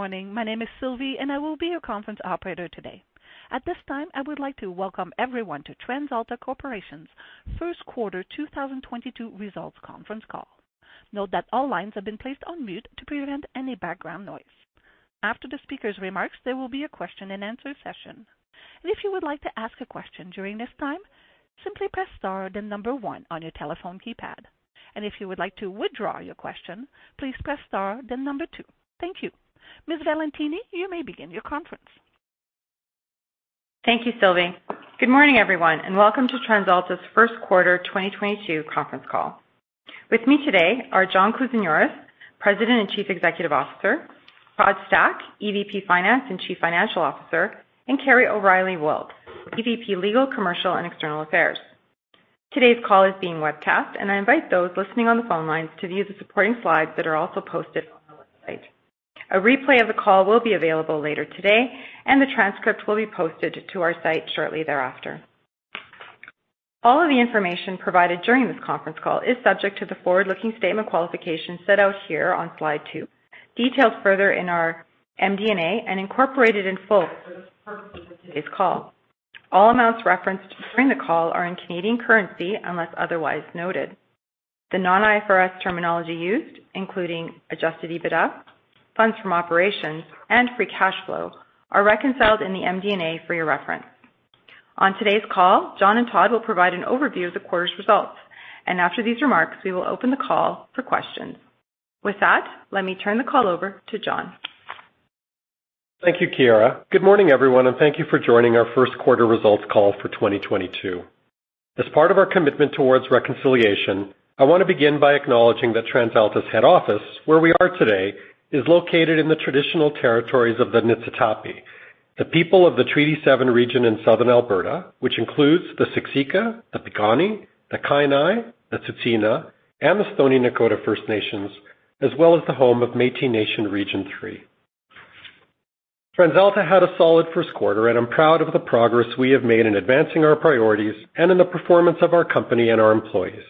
Morning. My name is Sylvie, and I will be your conference operator today. At this time, I would like to welcome everyone to TransAlta Corporation's Q1 2022 results conference call. Note that all lines have been placed on mute to prevent any background noise. After the speaker's remarks, there will be a question-and-answer session. If you would like to ask a question during this time, simply press star then number one on your telephone keypad. If you would like to withdraw your question, please press star then number two. Thank you. Ms. Valentini, you may begin your conference. Thank you, Sylvie. Good morning, everyone, and welcome to TransAlta's Q1 2022 conference call. With me today are John Kousinioris, President and Chief Executive Officer, Todd Stack, EVP Finance and Chief Financial Officer, and Kerry O'Reilly Wilks, EVP, Legal, Commercial and External Affairs. Today's call is being webcast, and I invite those listening on the phone lines to view the supporting slides that are also posted on the website. A replay of the call will be available later today and the transcript will be posted to our site shortly thereafter. All of the information provided during this conference call is subject to the forward-looking statement qualifications set out here on slide two, detailed further in our MD&A and incorporated in full for the purposes of today's call. All amounts referenced during the call are in Canadian currency unless otherwise noted. The non-IFRS terminology used, including adjusted EBITDA, funds from operations, and free cash flow, are reconciled in the MD&A for your reference. On today's call, John and Todd will provide an overview of the quarter's results. After these remarks, we will open the call for questions. With that, let me turn the call over to John. Thank you, Chiara. Good morning, everyone, and thank you for joining our Q1 results call for 2022. As part of our commitment towards reconciliation, I want to begin by acknowledging that TransAlta's head office, where we are today, is located in the traditional territories of the Niitsitapi, the people of the Treaty Seven region in southern Alberta, which includes the Siksika, the Piikani, the Kainai, the Tsuut'ina, and the Stoney Nakoda First Nations, as well as the home of Métis Nation of Alberta Region 3. TransAlta had a solid Q1, and I'm proud of the progress we have made in advancing our priorities and in the performance of our company and our employees.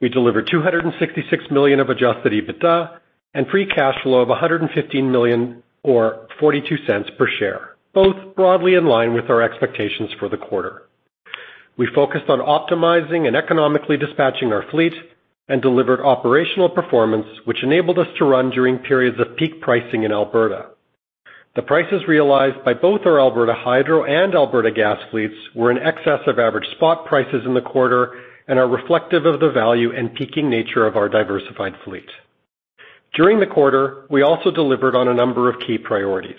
We delivered 266 million of adjusted EBITDA and free cash flow of 115 million or 0.42 per share, both broadly in line with our expectations for the quarter. We focused on optimizing and economically dispatching our fleet and delivered operational performance, which enabled us to run during periods of peak pricing in Alberta. The prices realized by both our Alberta Hydro and Alberta Gas fleets were in excess of average spot prices in the quarter and are reflective of the value and peaking nature of our diversified fleet. During the quarter, we also delivered on a number of key priorities.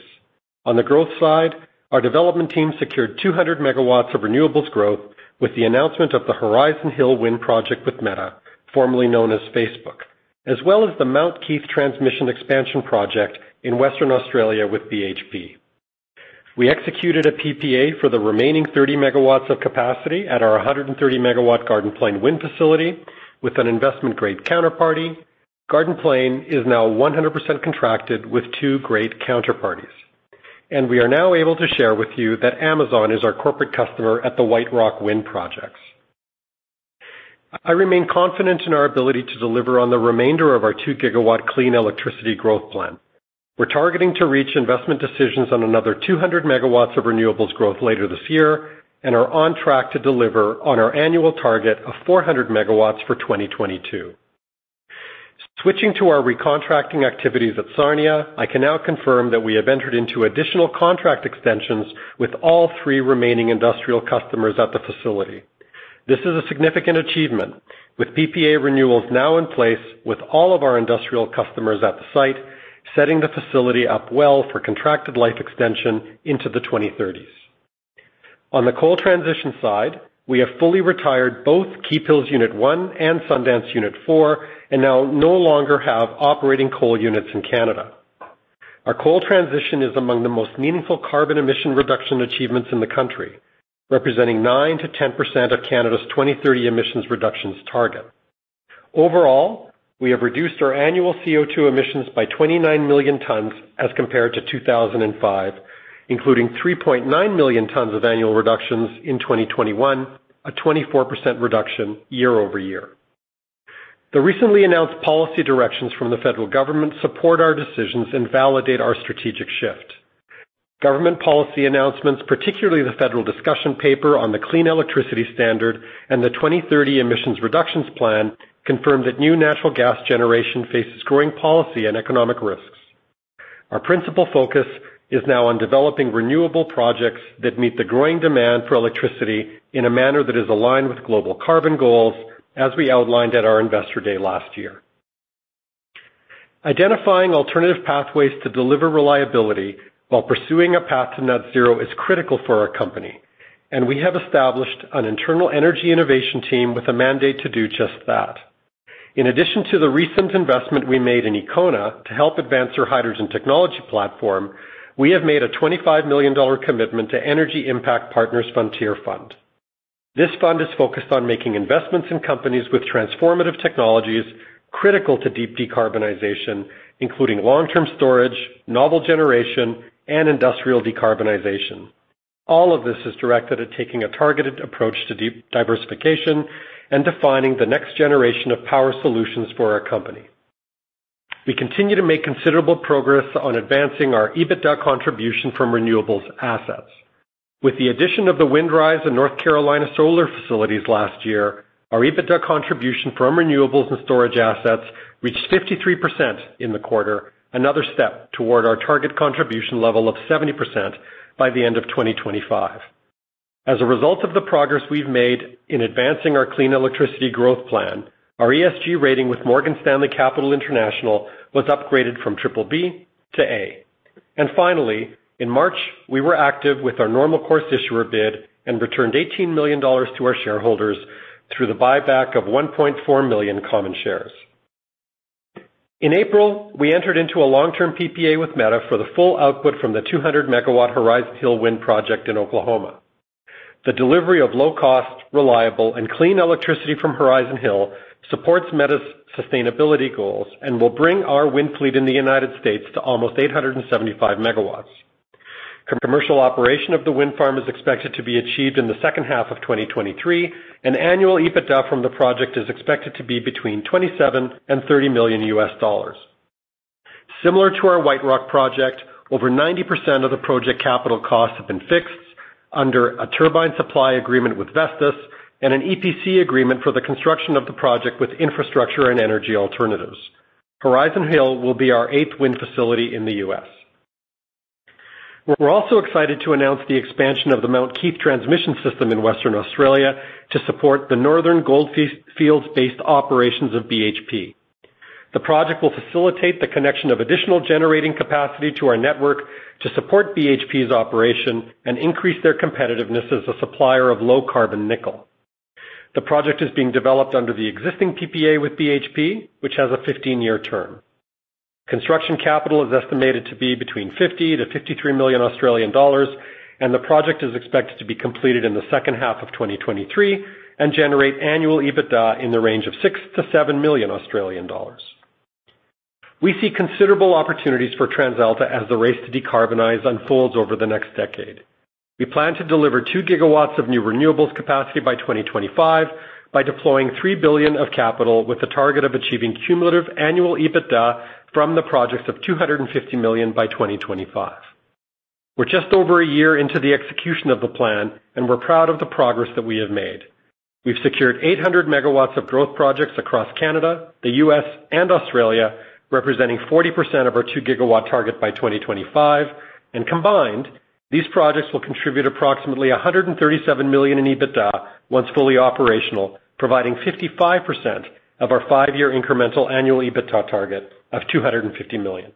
On the growth side, our development team secured 200 megawatts of renewables growth with the announcement of the Horizon Hill Wind Project with Meta, formerly known as Facebook, as well as the Mount Keith Transmission Expansion Project in Western Australia with BHP. We executed a PPA for the remaining 30 megawatts of capacity at our 130-megawatt Garden Plain Wind facility with an investment-grade counterparty. Garden Plain is now 100% contracted with two great counterparties. We are now able to share with you that Amazon is our corporate customer at the White Rock Wind Projects. I remain confident in our ability to deliver on the remainder of our 2-gigawatt clean electricity growth plan. We're targeting to reach investment decisions on another 200 megawatts of renewables growth later this year and are on track to deliver on our annual target of 400 megawatts for 2022. Switching to our recontracting activities at Sarnia, I can now confirm that we have entered into additional contract extensions with all three remaining industrial customers at the facility. This is a significant achievement, with PPA renewals now in place with all of our industrial customers at the site, setting the facility up well for contracted life extension into the 2030s. On the coal transition side, we have fully retired both Keephills Unit 1 and Sundance Unit 4 and now no longer have operating coal units in Canada. Our coal transition is among the most meaningful carbon emission reduction achievements in the country, representing 9%-10% of Canada's 2030 emissions reductions target. Overall, we have reduced our annual CO₂ emissions by 29 million tons as compared to 2005, including 3.9 million tons of annual reductions in 2021, a 24% reduction year-over-year. The recently announced policy directions from the federal government support our decisions and validate our strategic shift. Government policy announcements, particularly the federal discussion paper on the Clean Electricity Standard and the 2030 Emissions Reduction Plan, confirmed that new natural gas generation faces growing policy and economic risks. Our principal focus is now on developing renewable projects that meet the growing demand for electricity in a manner that is aligned with global carbon goals, as we outlined at our Investor Day last year. Identifying alternative pathways to deliver reliability while pursuing a path to net zero is critical for our company, and we have established an internal energy innovation team with a mandate to do just that. In addition to the recent investment we made in Ekona to help advance their hydrogen technology platform, we have made a 25 million dollar commitment to Energy Impact Partners Frontier Fund. This fund is focused on making investments in companies with transformative technologies critical to deep decarbonization, including long-term storage, novel generation, and industrial decarbonization. All of this is directed at taking a targeted approach to de-diversification and defining the next generation of power solutions for our company. We continue to make considerable progress on advancing our EBITDA contribution from renewables assets. With the addition of the Windrise and North Carolina solar facilities last year, our EBITDA contribution from renewables and storage assets reached 53% in the quarter, another step toward our target contribution level of 70% by the end of 2025. As a result of the progress we've made in advancing our clean electricity growth plan, our ESG rating with Morgan Stanley Capital International was upgraded from BBB to A. Finally, in March, we were active with our normal course issuer bid and returned 18 million dollars to our shareholders through the buyback of 1.4 million common shares. In April, we entered into a long-term PPA with Meta for the full output from the 200-MW Horizon Hill Wind project in Oklahoma. The delivery of low-cost, reliable, and clean electricity from Horizon Hill supports Meta's sustainability goals and will bring our wind fleet in the United States to almost 875 MW. Commercial operation of the wind farm is expected to be achieved in the second half of 2023, and annual EBITDA from the project is expected to be between $27 million and $30 million. Similar to our White Rock project, over 90% of the project capital costs have been fixed under a turbine supply agreement with Vestas and an EPC agreement for the construction of the project with Infrastructure and Energy Alternatives. Horizon Hill will be our eighth wind facility in the U.S. We're also excited to announce the expansion of the Mount Keith transmission system in Western Australia to support the Northern Goldfields-based operations of BHP. The project will facilitate the connection of additional generating capacity to our network to support BHP's operation and increase their competitiveness as a supplier of low-carbon nickel. The project is being developed under the existing PPA with BHP, which has a 15-year term. Construction capital is estimated to be between 50 to 53 million, and the project is expected to be completed in the second half of 2023 and generate annual EBITDA in the range of 6 to 7 million. We see considerable opportunities for TransAlta as the race to decarbonize unfolds over the next decade. We plan to deliver 2 GW of new renewables capacity by 2025 by deploying 3 billion of capital with the target of achieving cumulative annual EBITDA from the projects of 250 million by 2025. We're just over a year into the execution of the plan, and we're proud of the progress that we have made. We've secured 800 MW of growth projects across Canada, the U.S., and Australia, representing 40% of our 2 GW target by 2025. Combined, these projects will contribute approximately 137 million in EBITDA once fully operational, providing 55% of our five-year incremental annual EBITDA target of 250 million.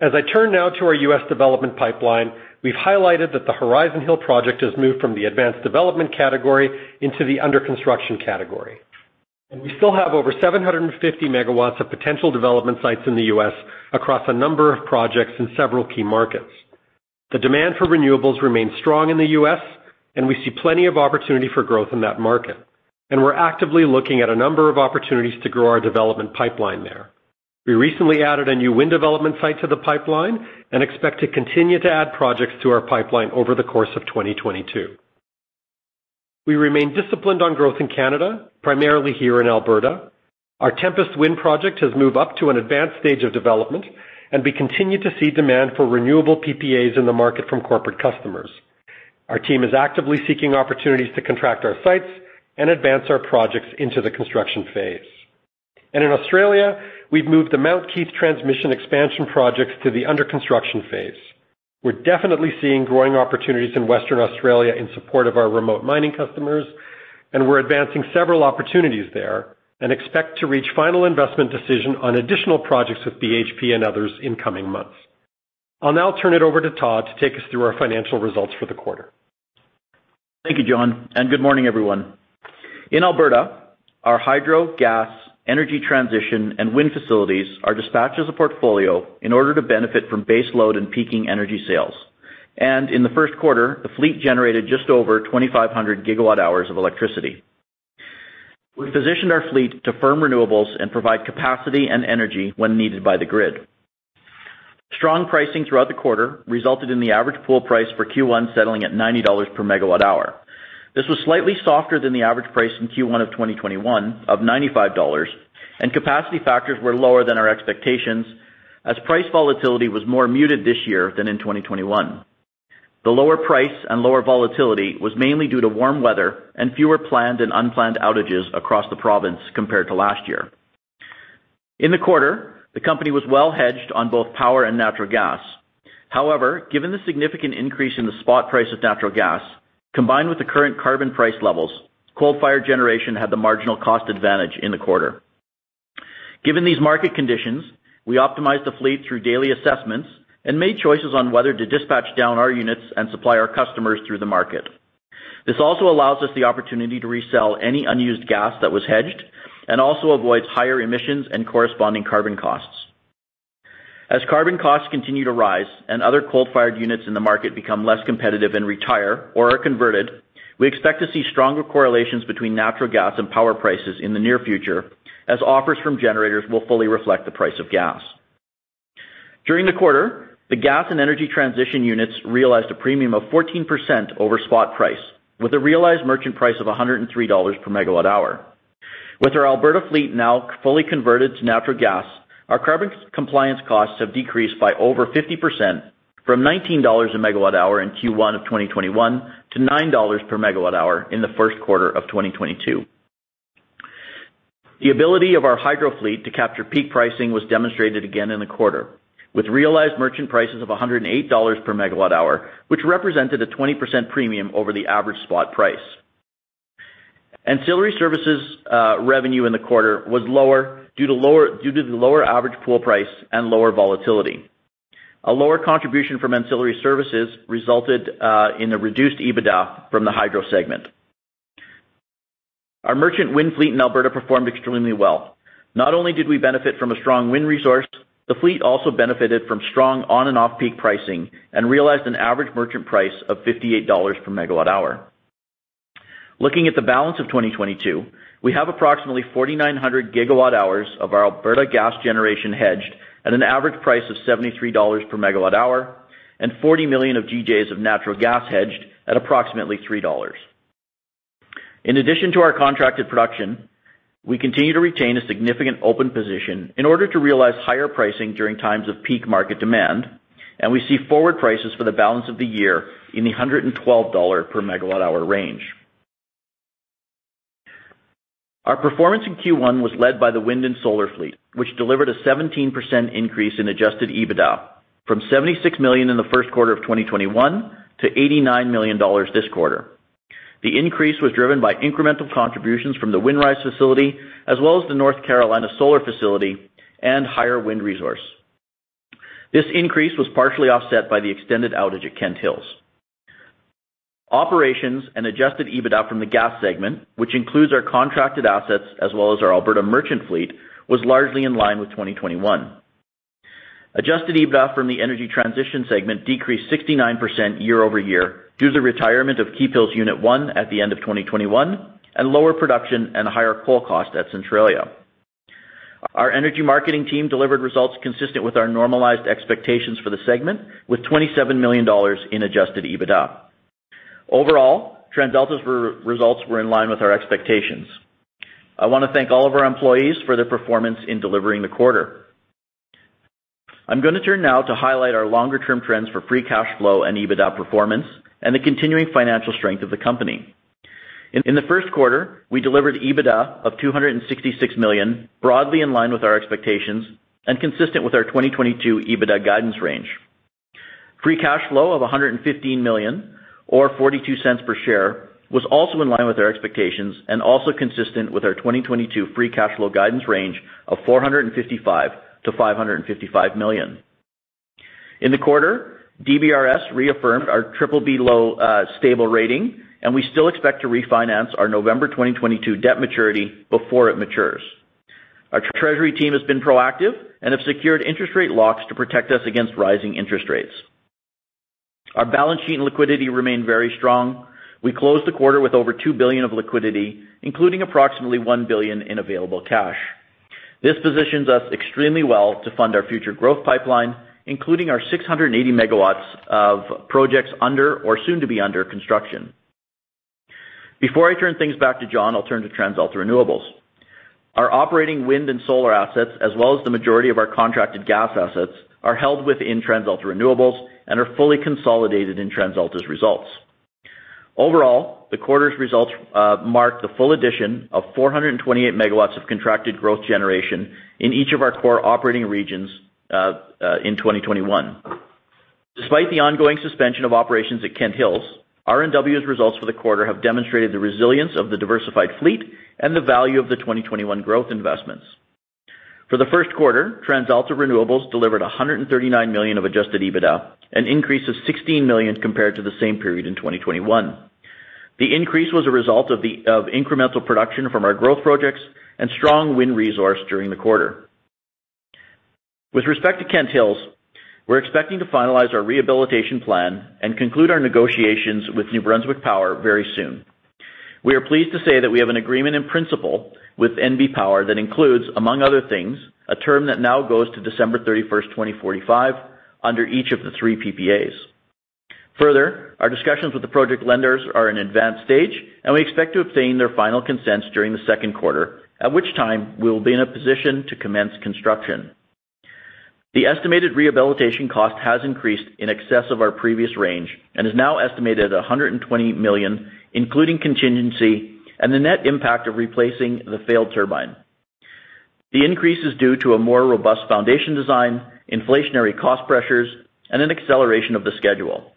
As I turn now to our U.S. development pipeline, we've highlighted that the Horizon Hill project has moved from the advanced development category into the under-construction category. We still have over 750 MW of potential development sites in the U.S. across a number of projects in several key markets. The demand for renewables remains strong in the U.S., and we see plenty of opportunity for growth in that market. We're actively looking at a number of opportunities to grow our development pipeline there. We recently added a new wind development site to the pipeline and expect to continue to add projects to our pipeline over the course of 2022. We remain disciplined on growth in Canada, primarily here in Alberta. Our Tempest Wind project has moved up to an advanced stage of development, and we continue to see demand for renewable PPAs in the market from corporate customers. Our team is actively seeking opportunities to contract our sites and advance our projects into the construction phase. In Australia, we've moved the Mount Keith transmission expansion projects to the under-construction phase. We're definitely seeing growing opportunities in Western Australia in support of our remote mining customers, and we're advancing several opportunities there and expect to reach final investment decision on additional projects with BHP and others in coming months. I'll now turn it over to Todd to take us through our financial results for the quarter. Thank you, John, and good morning, everyone. In Alberta, our hydro, gas, energy transition, and wind facilities are dispatched as a portfolio in order to benefit from base load and peaking energy sales. In the Q1, the fleet generated just over 2,500 GWh of electricity. We've positioned our fleet to firm renewables and provide capacity and energy when needed by the grid. Strong pricing throughout the quarter resulted in the average pool price for Q1 settling at 90 dollars per MWh. This was slightly softer than the average price in Q1 of 2021 of 95 dollars, and capacity factors were lower than our expectations as price volatility was more muted this year than in 2021. The lower price and lower volatility was mainly due to warm weather and fewer planned and unplanned outages across the province compared to last year. In the quarter, the company was well hedged on both power and natural gas. However, given the significant increase in the spot price of natural gas, combined with the current carbon price levels, coal-fired generation had the marginal cost advantage in the quarter. Given these market conditions, we optimized the fleet through daily assessments and made choices on whether to dispatch down our units and supply our customers through the market. This also allows us the opportunity to resell any unused gas that was hedged and also avoids higher emissions and corresponding carbon costs. As carbon costs continue to rise and other coal-fired units in the market become less competitive and retire or are converted. We expect to see stronger correlations between natural gas and power prices in the near future as offers from generators will fully reflect the price of gas. During the quarter, the gas and energy transition units realized a premium of 14% over spot price, with a realized merchant price of 103 dollars per MWh. With our Alberta fleet now fully converted to natural gas, our carbon compliance costs have decreased by over 50% from 19 dollars per MWh in Q1 of 2021 to 9 dollars per MWh in the Q1 of 2022. The ability of our hydro fleet to capture peak pricing was demonstrated again in the quarter, with realized merchant prices of 108 dollars per MWh, which represented a 20% premium over the average spot price. Ancillary services revenue in the quarter was lower due to the lower average pool price and lower volatility. A lower contribution from ancillary services resulted in a reduced EBITDA from the hydro segment. Our merchant wind fleet in Alberta performed extremely well. Not only did we benefit from a strong wind resource, the fleet also benefited from strong on and off-peak pricing and realized an average merchant price of 58 dollars per MWh. Looking at the balance of 2022, we have approximately 4,900 GWh of our Alberta gas generation hedged at an average price of 73 dollars per MWh and 40 million GJs of natural gas hedged at approximately 3 dollars. In addition to our contracted production, we continue to retain a significant open position in order to realize higher pricing during times of peak market demand, and we see forward prices for the balance of the year in the 112 dollar per MWh range. Our performance in Q1 was led by the wind and solar fleet, which delivered a 17% increase in adjusted EBITDA, from 76 million in the Q1 of 2021 to 89 million dollars this quarter. The increase was driven by incremental contributions from the Windrise facility, as well as the North Carolina solar facility and higher wind resource. This increase was partially offset by the extended outage at Kent Hills. Operations and adjusted EBITDA from the gas segment, which includes our contracted assets as well as our Alberta merchant fleet, was largely in line with 2021. Adjusted EBITDA from the energy transition segment decreased 69% year-over-year due to the retirement of Keephills Unit 1 at the end of 2021 and lower production and a higher coal cost at Centralia. Our energy marketing team delivered results consistent with our normalized expectations for the segment with 27 million dollars in adjusted EBITDA. Overall, TransAlta's results were in line with our expectations. I want to thank all of our employees for their performance in delivering the quarter. I'm going to turn now to highlight our longer-term trends for free cash flow and EBITDA performance and the continuing financial strength of the company. In the Q1, we delivered EBITDA of 266 million, broadly in line with our expectations and consistent with our 2022 EBITDA guidance range. Free cash flow of 115 million or 0.42 per share was also in line with our expectations and also consistent with our 2022 free cash flow guidance range of 455 million to 555 million. In the quarter, DBRS reaffirmed our BBB (low), stable rating, and we still expect to refinance our November 2022 debt maturity before it matures. Our Treasury team has been proactive and have secured interest rate locks to protect us against rising interest rates. Our balance sheet and liquidity remain very strong. We closed the quarter with over 2 billion of liquidity, including approximately 1 billion in available cash. This positions us extremely well to fund our future growth pipeline, including our 680 MW of projects under or soon to be under construction. Before I turn things back to John, I'll turn to TransAlta Renewables. Our operating wind and solar assets, as well as the majority of our contracted gas assets, are held within TransAlta Renewables and are fully consolidated in TransAlta's results. Overall, the quarter's results mark the full addition of 428 megawatts of contracted growth generation in each of our core operating regions in 2021. Despite the ongoing suspension of operations at Kent Hills, RNW's results for the quarter have demonstrated the resilience of the diversified fleet and the value of the 2021 growth investments. For the Q1, TransAlta Renewables delivered 139 million of adjusted EBITDA, an increase of 16 million compared to the same period in 2021. The increase was a result of incremental production from our growth projects and strong wind resource during the quarter. With respect to Kent Hills, we're expecting to finalize our rehabilitation plan and conclude our negotiations with New Brunswick Power very soon. We are pleased to say that we have an agreement in principle with NB Power that includes, among other things, a term that now goes to December 31, 2045, under each of the three PPAs. Further, our discussions with the project lenders are in advanced stage, and we expect to obtain their final consents during the Q2, at which time we will be in a position to commence construction. The estimated rehabilitation cost has increased in excess of our previous range and is now estimated at 120 million, including contingency and the net impact of replacing the failed turbine. The increase is due to a more robust foundation design, inflationary cost pressures, and an acceleration of the schedule.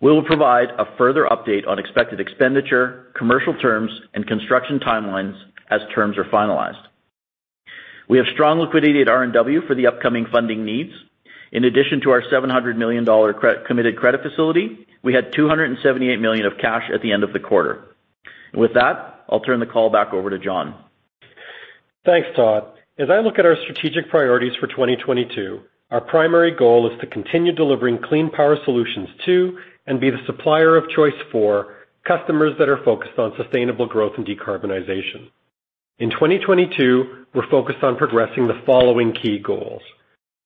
We will provide a further update on expected expenditure, commercial terms, and construction timelines as terms are finalized. We have strong liquidity at RNW for the upcoming funding needs. In addition to our 700 million dollar committed credit facility, we had 278 million of cash at the end of the quarter. With that, I'll turn the call back over to John. Thanks, Todd. As I look at our strategic priorities for 2022, our primary goal is to continue delivering clean power solutions to and be the supplier of choice for customers that are focused on sustainable growth and decarbonization. In 2022, we're focused on progressing the following key goals.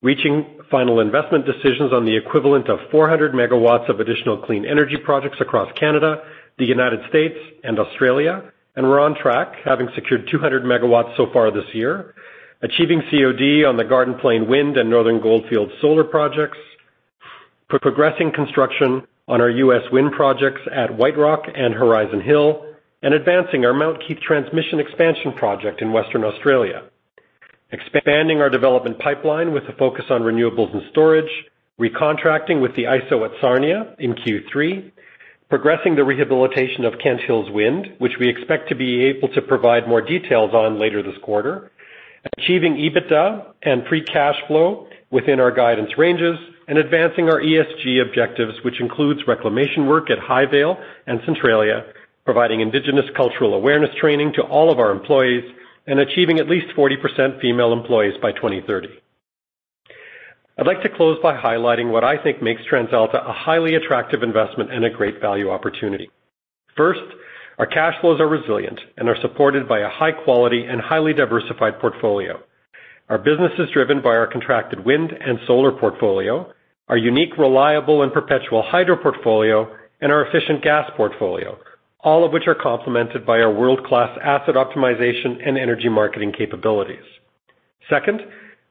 Reaching final investment decisions on the equivalent of 400 MW of additional clean energy projects across Canada, the United States and Australia, and we're on track, having secured 200 MW so far this year. Achieving COD on the Garden Plain Wind and Northern Goldfield solar projects. Progressing construction on our U.S. wind projects at White Rock and Horizon Hill. Advancing our Mount Keith transmission expansion project in Western Australia. Expanding our development pipeline with a focus on renewables and storage. Recontracting with the ISO at Sarnia in Q3. Progressing the rehabilitation of Kent Hills Wind, which we expect to be able to provide more details on later this quarter. Achieving EBITDA and free cash flow within our guidance ranges. Advancing our ESG objectives, which includes reclamation work at Highvale and Centralia, providing indigenous cultural awareness training to all of our employees, and achieving at least 40% female employees by 2030. I'd like to close by highlighting what I think makes TransAlta a highly attractive investment and a great value opportunity. First, our cash flows are resilient and are supported by a high quality and highly diversified portfolio. Our business is driven by our contracted wind and solar portfolio, our unique, reliable and perpetual hydro portfolio, and our efficient gas portfolio, all of which are complemented by our world-class asset optimization and energy marketing capabilities. Second,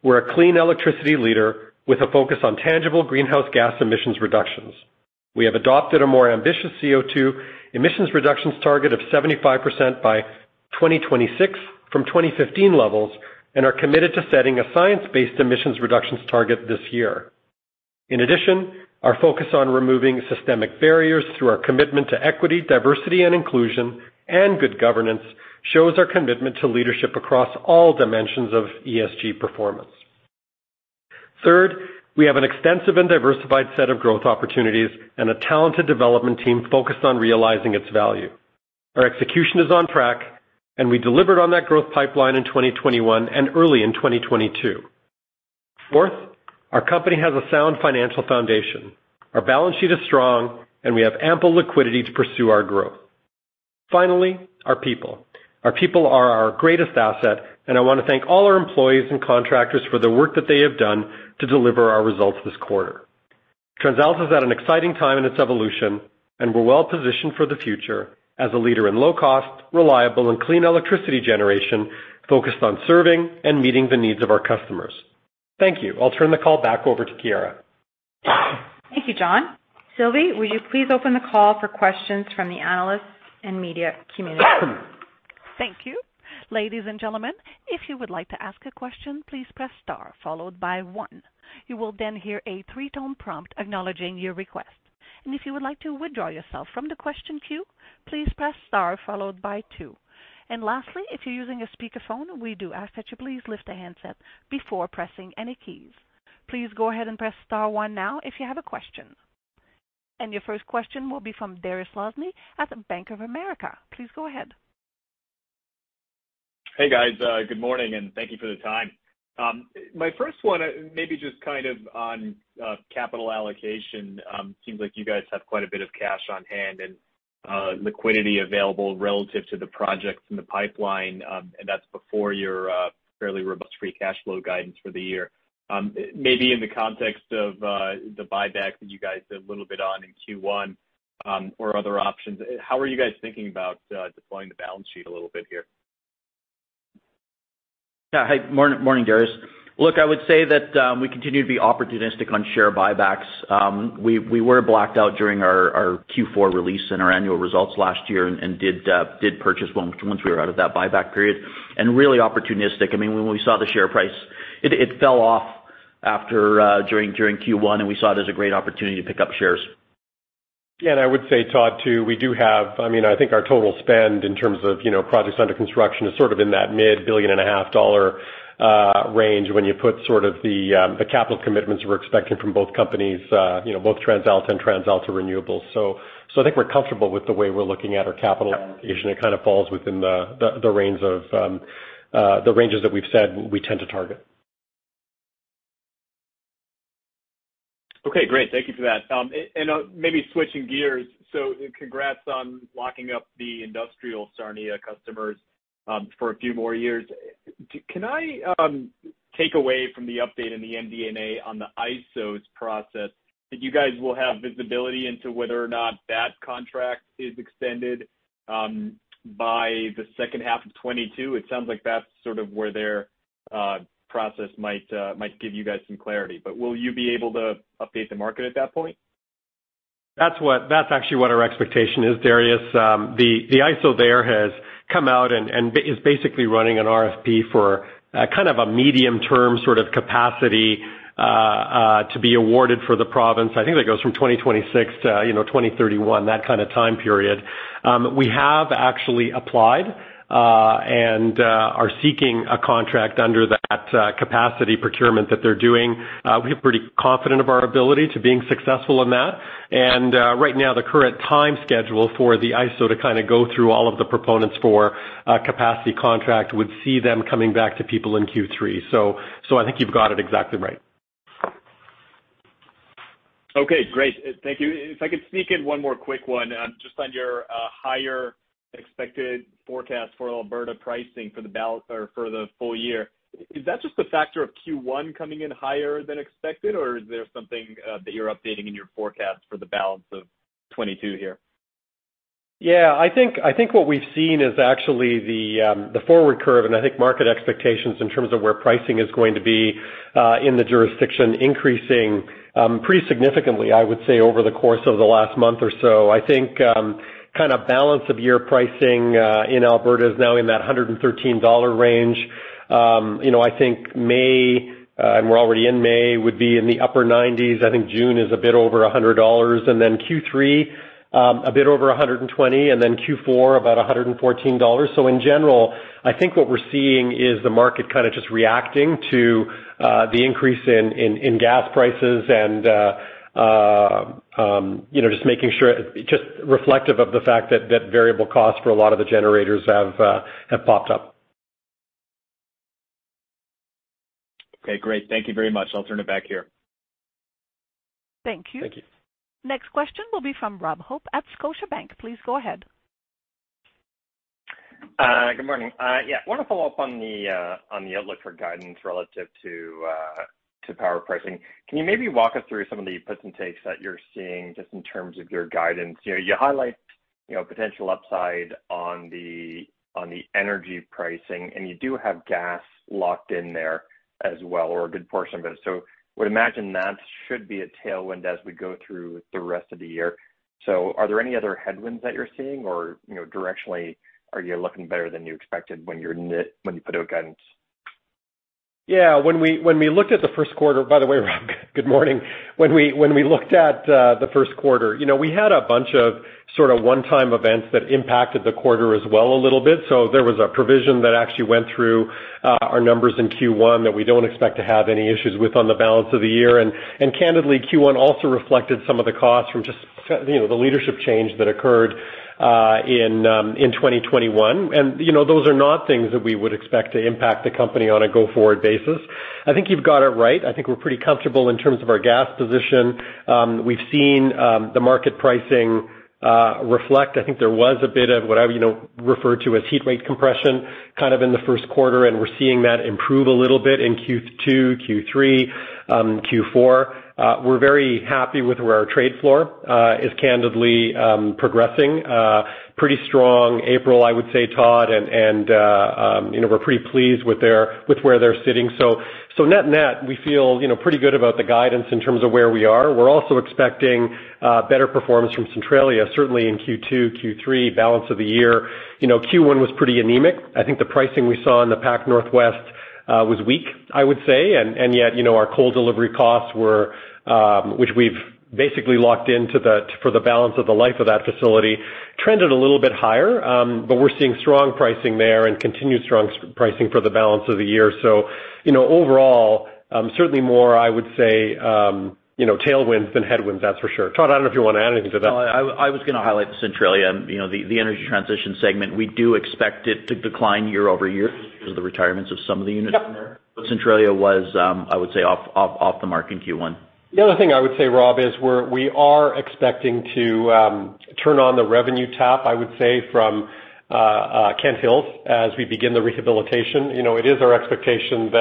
we're a clean electricity leader with a focus on tangible greenhouse gas emissions reductions. We have adopted a more ambitious CO2 emissions reductions target of 75% by 2026 from 2015 levels, and are committed to setting a science-based emissions reduction target this year. In addition, our focus on removing systemic barriers through our commitment to equity, diversity and inclusion and good governance shows our commitment to leadership across all dimensions of ESG performance. Third, we have an extensive and diversified set of growth opportunities and a talented development team focused on realizing its value. Our execution is on track, and we delivered on that growth pipeline in 2021 and early in 2022. Fourth, our company has a sound financial foundation. Our balance sheet is strong, and we have ample liquidity to pursue our growth. Finally, our people. Our people are our greatest asset, and I want to thank all our employees and contractors for the work that they have done to deliver our results this quarter. TransAlta is at an exciting time in its evolution, and we're well positioned for the future as a leader in low cost, reliable and clean electricity generation focused on serving and meeting the needs of our customers. Thank you. I'll turn the call back over to Chiara. Thank you, John. Sylvie, would you please open the call for questions from the analysts and media community? Thank you. Ladies and gentlemen, if you would like to ask a question, please press star followed by one. You will then hear a three-tone prompt acknowledging your request. If you would like to withdraw yourself from the question queue, please press star followed by two. Lastly, if you're using a speakerphone, we do ask that you please lift a handset before pressing any keys. Please go ahead and press star one now if you have a question. Your first question will be from Dariusz Lozny at Bank of America. Please go ahead. Hey, guys. Good morning, and thank you for the time. My first one, maybe just kind of on capital allocation. Seems like you guys have quite a bit of cash on hand and liquidity available relative to the projects in the pipeline, and that's before your fairly robust free cash flow guidance for the year. Maybe in the context of the buyback that you guys did a little bit on in Q1, or other options, how are you guys thinking about deploying the balance sheet a little bit here? Hi. Morning, Dariusz. Look, I would say that we continue to be opportunistic on share buybacks. We were blacked out during our Q4 release and our annual results last year and did purchase once we were out of that buyback period. Really opportunistic. I mean, when we saw the share price, it fell off after during Q1, and we saw it as a great opportunity to pick up shares. I would say, Todd, too, we do have. I mean, I think our total spend in terms of, you know, projects under construction is sort of in that 1.5 billion range when you put sort of the capital commitments we're expecting from both companies, you know, both TransAlta and TransAlta Renewables. I think we're comfortable with the way we're looking at our capital application. It kind of falls within the range of the ranges that we've said we tend to target. Okay, great. Thank you for that. Maybe switching gears. Congrats on locking up the industrial Sarnia customers for a few more years. Can I take away from the update in the MD&A on the ISO's process that you guys will have visibility into whether or not that contract is extended by the second half of 2022? It sounds like that's sort of where their process might give you guys some clarity. Will you be able to update the market at that point? That's actually what our expectation is, Dariusz. The ISO there has come out and is basically running an RFP for kind of a medium-term sort of capacity to be awarded for the province. I think that goes from 2026 to, you know, 2031, that kind of time period. We have actually applied and are seeking a contract under that capacity procurement that they're doing. We're pretty confident of our ability to being successful in that. Right now, the current time schedule for the ISO to kind of go through all of the proponents for a capacity contract would see them coming back to people in Q3. I think you've got it exactly right. Okay, great. Thank you. If I could sneak in one more quick one just on your higher expected forecast for Alberta pricing for the full year. Is that just a factor of Q1 coming in higher than expected or is there something that you're updating in your forecast for the balance of 2022 here? Yeah, I think what we've seen is actually the forward curve, and I think market expectations in terms of where pricing is going to be in the jurisdiction increasing pretty significantly, I would say, over the course of the last month or so. I think kind of balance of year pricing in Alberta is now in that 113 dollar range. You know, I think May and we're already in May would be in the upper 90s. I think June is a bit over 100 dollars, and then Q3 a bit over 120, and then Q4 about 114 dollars. In general, I think what we're seeing is the market kind of just reacting to the increase in gas prices and, you know, just making sure it's just reflective of the fact that that variable cost for a lot of the generators have popped up. Okay, great. Thank you very much. I'll turn it back here. Thank you. Thank you. Next question will be from Robert Hope at Scotiabank. Please go ahead. Good morning. Yeah, want to follow up on the outlook for guidance relative to power pricing. Can you maybe walk us through some of the puts and takes that you're seeing just in terms of your guidance? You know, you highlight potential upside on the energy pricing, and you do have gas locked in there as well or a good portion of it. Would imagine that should be a tailwind as we go through the rest of the year. Are there any other headwinds that you're seeing or, you know, directionally are you looking better than you expected when you put out guidance? When we looked at the Q1. By the way, Rob, good morning. When we looked at the Q1, you know, we had a bunch of sort of one-time events that impacted the quarter as well a little bit. There was a provision that actually went through our numbers in Q1 that we don't expect to have any issues with on the balance of the year. Candidly, Q1 also reflected some of the costs from just, you know, the leadership change that occurred in 2021. You know, those are not things that we would expect to impact the company on a go-forward basis. I think you've got it right. I think we're pretty comfortable in terms of our gas position. We've seen the market pricing reflect. I think there was a bit of what I, you know, refer to as heat rate compression kind of in the Q1, and we're seeing that improve a little bit in Q2, Q3, Q4. We're very happy with where our trade floor is candidly progressing. Pretty strong April, I would say, Todd, and you know, we're pretty pleased with their-- with where they're sitting. Net-net, we feel, you know, pretty good about the guidance in terms of where we are. We're also expecting better performance from Centralia, certainly in Q2, Q3, balance of the year. You know, Q1 was pretty anemic. I think the pricing we saw in the Pac. Northwest was weak, I would say. Yet, you know, our coal delivery costs were, which we've basically locked in for the balance of the life of that facility, trended a little bit higher. We're seeing strong pricing there and continued strong pricing for the balance of the year. You know, overall, certainly more, I would say, you know, tailwinds than headwinds, that's for sure. Todd, I don't know if you want to add anything to that. No, I was gonna highlight Centralia. You know, the energy transition segment, we do expect it to decline year-over-year because of the retirements of some of the units in there. Yeah. Centralia was, I would say, off the mark in Q1. The other thing I would say, Rob, is we are expecting to turn on the revenue tap, I would say from Kent Hills as we begin the rehabilitation. You know, it is our expectation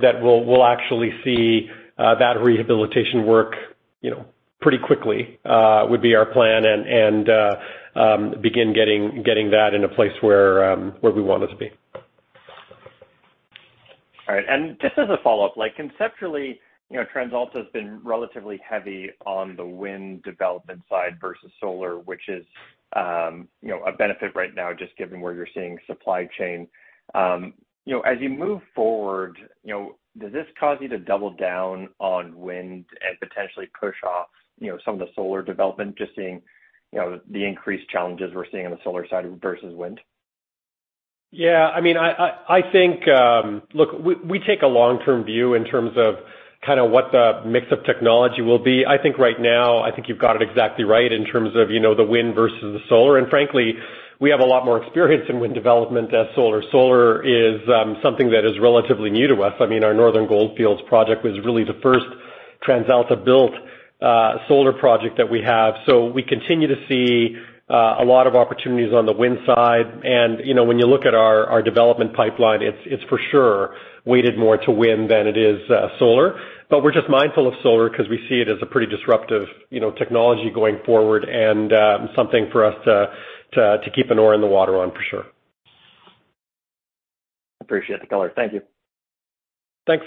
that we'll actually see that rehabilitation work, you know, pretty quickly, would be our plan and begin getting that in a place where we want it to be. All right. Just as a follow-up, like conceptually, you know, TransAlta has been relatively heavy on the wind development side versus solar, which is, you know, a benefit right now just given where you're seeing supply chain. You know, as you move forward, you know, does this cause you to double down on wind and potentially push off, you know, some of the solar development, just seeing, you know, the increased challenges we're seeing on the solar side versus wind? Yeah, I mean, I think. Look, we take a long-term view in terms of kind of what the mix of technology will be. I think right now, I think you've got it exactly right in terms of, you know, the wind versus the solar. Frankly, we have a lot more experience in wind development than solar. Solar is something that is relatively new to us. I mean, our Northern Goldfields project was really the first TransAlta-built solar project that we have. We continue to see a lot of opportunities on the wind side. You know, when you look at our development pipeline, it's for sure weighted more to wind than it is solar. We're just mindful of solar because we see it as a pretty disruptive, you know, technology going forward and, something for us to keep an oar in the water on, for sure. Appreciate the color. Thank you. Thanks.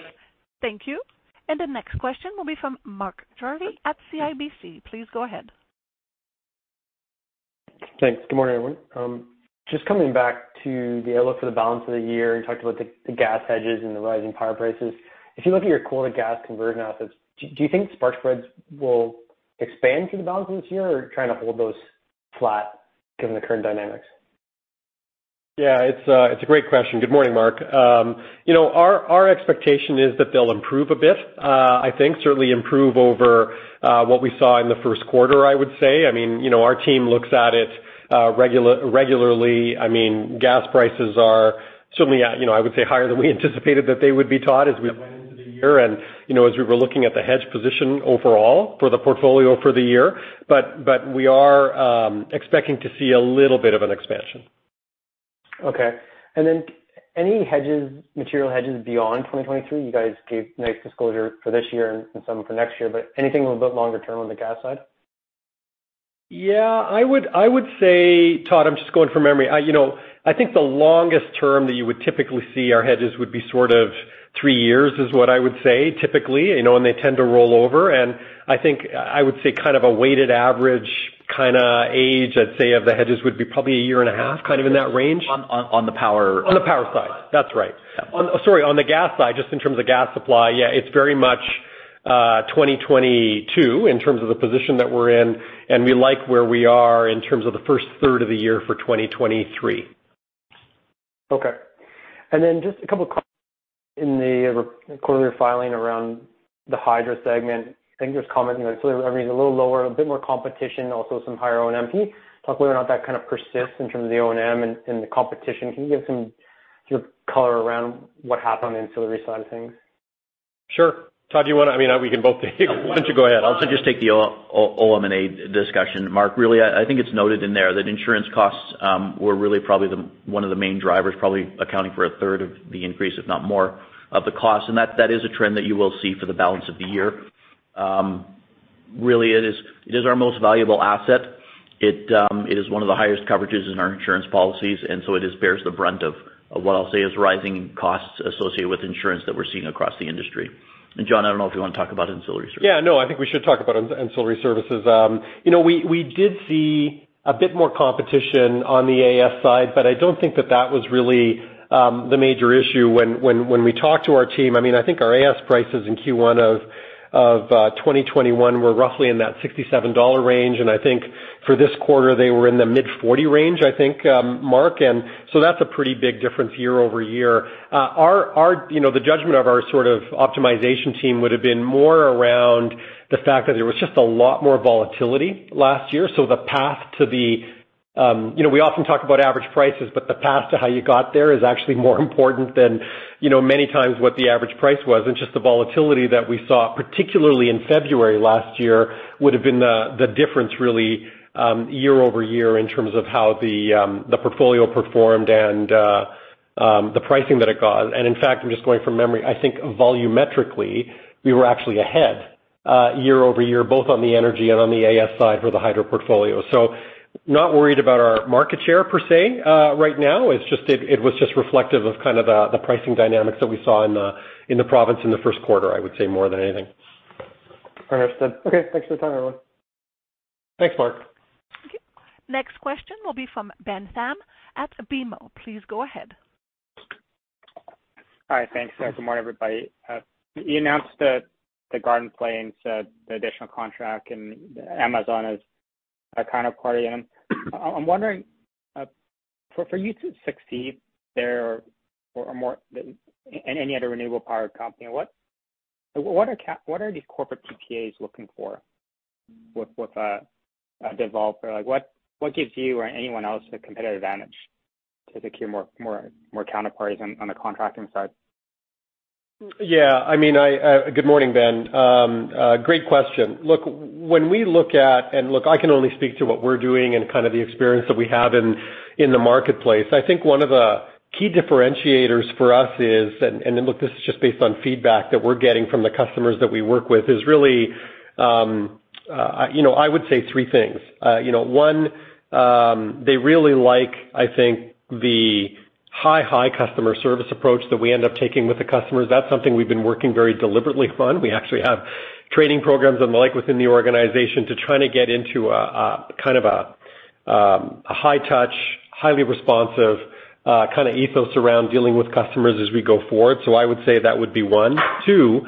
Thank you. The next question will be from Mark Jarvi at CIBC. Please go ahead. Thanks. Good morning, everyone. Just coming back to the outlook for the balance of the year, you talked about the gas hedges and the rising power prices. If you look at your coal to gas conversion assets, do you think spark spreads will expand through the balance of this year or trying to hold those flat given the current dynamics? Yeah, it's a great question. Good morning, Mark. You know, our expectation is that they'll improve a bit. I think certainly improve over what we saw in the Q1, I would say. I mean, you know, our team looks at it regularly. I mean, gas prices are certainly at, you know, I would say higher than we anticipated that they would be, Todd, as we went into the year, and, you know, as we were looking at the hedge position overall for the portfolio for the year. We are expecting to see a little bit of an expansion. Okay. Any hedges, material hedges beyond 2022? You guys gave nice disclosure for this year and some for next year, but anything a little bit longer term on the gas side? Yeah, I would say, Todd, I'm just going from memory. You know, I think the longest term that you would typically see our hedges would be sort of three years, is what I would say typically, you know, and they tend to roll over. I think I would say kind of a weighted average kinda age, I'd say, of the hedges would be probably a year and a half, kind of in that range. On, on, on the power- On the power side. That's right. Yeah. Sorry, on the gas side, just in terms of gas supply, yeah, it's very much 2022 in terms of the position that we're in, and we like where we are in terms of the first third of the year for 2023. Okay. Then just a couple of questions in the recent quarterly filing around the hydro segment. I think there's comment, you know, ancillary revenues a little lower, a bit more competition, also some higher OM&A. Talk about whether or not that kind of persists in terms of the OM&A and the competition. Can you give some sort of color around what happened on the ancillary side of things? Sure. Todd, do you wanna? I mean, we can both take Why don't you go ahead. I'll just take the OM&A discussion, Mark. Really, I think it's noted in there that insurance costs were really probably the one of the main drivers, probably accounting for a third of the increase, if not more of the cost. That is a trend that you will see for the balance of the year. Really it is our most valuable asset. It is one of the highest coverages in our insurance policies, and so it bears the brunt of what I'll say is rising costs associated with insurance that we're seeing across the industry. John, I don't know if you want to talk about ancillary services. I think we should talk about ancillary services. You know, we did see a bit more competition on the AS side, but I don't think that was really the major issue when we talked to our team. I mean, I think our AS prices in Q1 of 2021 were roughly in that 67 dollar range, and I think for this quarter, they were in the mid-40 range, I think, Mark. That's a pretty big difference year-over-year. Our you know, the judgment of our sort of optimization team would have been more around the fact that there was just a lot more volatility last year. The path to the. You know, we often talk about average prices, but the path to how you got there is actually more important than, you know, many times what the average price was. Just the volatility that we saw, particularly in February last year, would have been the difference really year-over-year in terms of how the portfolio performed and the pricing that it got. In fact, I'm just going from memory. I think volumetrically, we were actually ahead year-over-year, both on the energy and on the AS side for the hydro portfolio. Not worried about our market share per se right now. It's just it was just reflective of kind of the pricing dynamics that we saw in the province in the Q1, I would say more than anything. Understood. Okay, thanks for the time, everyone. Thanks, Mark. Okay. Next question will be from Benjamin Pham at BMO. Please go ahead. All right. Thanks. Good morning, everybody. You announced the Garden Plain, the additional contract, and Amazon is a counterparty. I'm wondering, for you to succeed there or more than any other renewable power company, what are these corporate PPAs looking for with a developer? Like, what gives you or anyone else a competitive advantage to secure more counterparties on the contracting side? Good morning, Ben. Great question. I can only speak to what we're doing and kind of the experience that we have in the marketplace. I think one of the key differentiators for us is, this is just based on feedback that we're getting from the customers that we work with, is really, you know, I would say three things. You know, one, they really like, I think, the high customer service approach that we end up taking with the customers. That's something we've been working very deliberately on. We actually have training programs and the like within the organization to try to get into a kind of high touch, highly responsive kind of ethos around dealing with customers as we go forward. I would say that would be one. Two,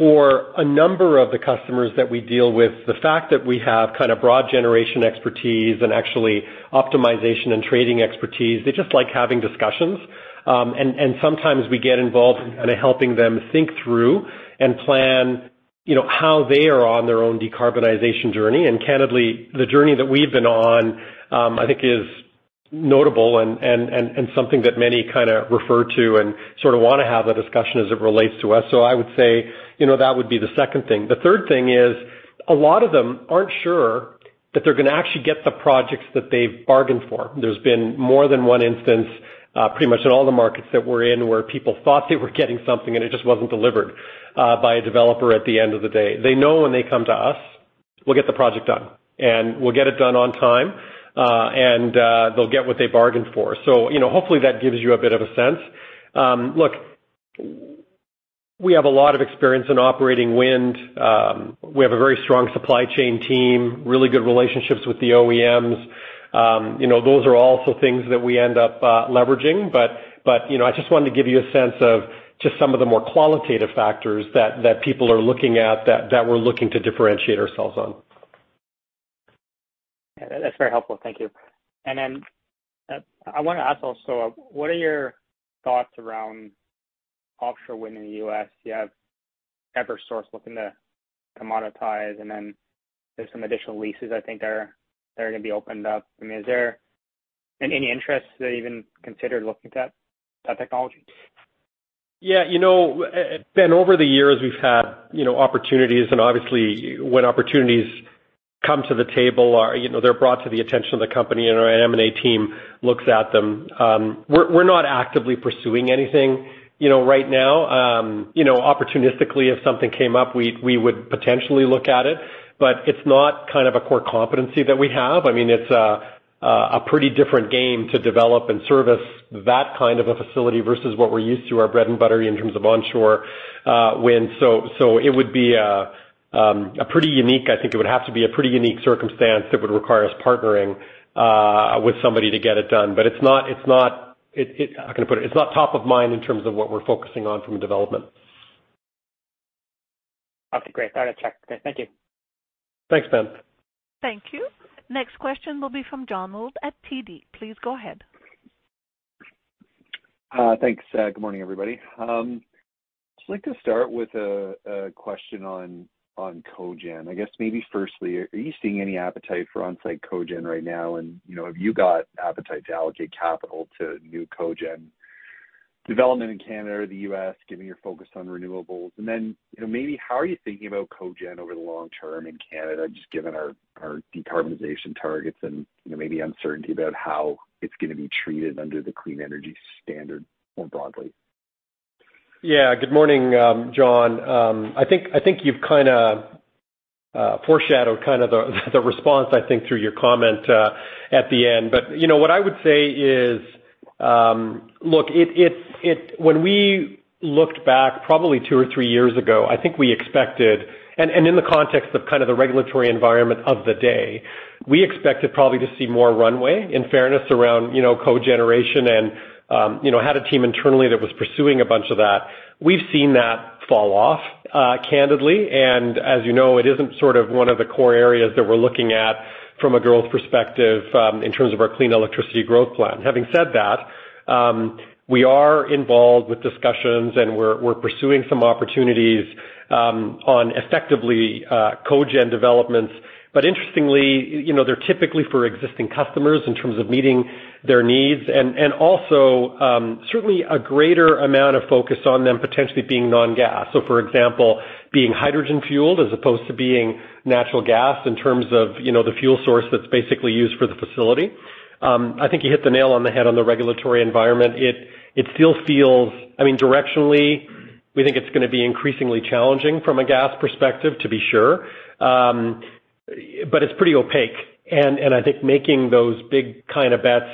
for a number of the customers that we deal with, the fact that we have kind of broad generation expertise and actually optimization and trading expertise, they just like having discussions. And sometimes we get involved in kind of helping them think through and plan, you know, how they are on their own decarbonization journey. And candidly, the journey that we've been on, I think is notable and something that many kind of refer to and sort of want to have that discussion as it relates to us. I would say, you know, that would be the second thing. The third thing is, a lot of them aren't sure that they're gonna actually get the projects that they've bargained for. There's been more than one instance, pretty much in all the markets that we're in, where people thought they were getting something and it just wasn't delivered by a developer at the end of the day. They know when they come to us, we'll get the project done, and we'll get it done on time, and they'll get what they bargained for. You know, hopefully, that gives you a bit of a sense. Look, we have a lot of experience in operating wind. We have a very strong supply chain team, really good relationships with the OEMs. You know, those are also things that we end up leveraging. you know, I just wanted to give you a sense of just some of the more qualitative factors that people are looking at, that we're looking to differentiate ourselves on. Yeah, that's very helpful. Thank you. I want to ask also, what are your thoughts around offshore wind in the U.S.? You have Eversource looking to commoditize, and then there's some additional leases I think are gonna be opened up. I mean, is there any interest to even consider looking at that technology? Yeah. You know, Ben, over the years, we've had, you know, opportunities, and obviously when opportunities come to the table or, you know, they're brought to the attention of the company and our M&A team looks at them. We're not actively pursuing anything, you know, right now. You know, opportunistically, if something came up, we would potentially look at it. It's not kind of a core competency that we have. I mean, it's a pretty different game to develop and service that kind of a facility versus what we're used to, our bread and butter in terms of onshore wind. It would be a pretty unique circumstance that would require us partnering with somebody to get it done. It's not, how can I put it? It's not top of mind in terms of what we're focusing on from development. Okay, great. Got it. Check. Great. Thank you. Thanks, Ben. Thank you. Next question will be from John Mould at TD. Please go ahead. Thanks. Good morning, everybody. Just like to start with a question on cogen. I guess maybe firstly, are you seeing any appetite for on-site cogen right now? You know, have you got appetite to allocate capital to new cogen development in Canada or the US, given your focus on renewables? You know, maybe how are you thinking about cogen over the long term in Canada, just given our decarbonization targets and, you know, maybe uncertainty about how it's gonna be treated under the clean energy standard more broadly? Yeah. Good morning, John. I think you've kinda foreshadowed kind of the response I think through your comment at the end. You know, what I would say is, look, when we looked back probably two or three years ago, I think we expected in the context of kind of the regulatory environment of the day, we expected probably to see more runway in fairness around, you know, cogeneration and, you know, had a team internally that was pursuing a bunch of that. We've seen that fall off, candidly, and as you know, it isn't sort of one of the core areas that we're looking at from a growth perspective in terms of our clean electricity growth plan. Having said that, we are involved with discussions, and we're pursuing some opportunities on effectively cogen developments. Interestingly, you know, they're typically for existing customers in terms of meeting their needs and also certainly a greater amount of focus on them potentially being non-gas. For example, being hydrogen-fueled as opposed to being natural gas in terms of, you know, the fuel source that's basically used for the facility. I think you hit the nail on the head on the regulatory environment. It still feels, I mean, directionally, we think it's gonna be increasingly challenging from a gas perspective, to be sure. It's pretty opaque, and I think making those big kind of bets